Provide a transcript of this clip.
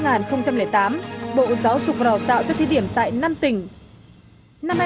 năm hai nghìn tám bộ giáo dục vào tạo cho thí điểm tại năm tỉnh